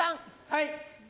はい。